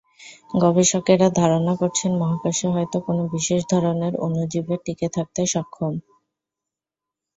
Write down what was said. গবেষকেরা ধারণা করছেন, মহাকাশে হয়তো কোনো বিশেষ ধরনের অণুজীবের টিকে থাকতে সক্ষম।